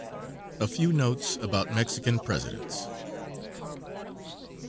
A FEW NOTES ABOUT MEXICAN PRESIDENTS.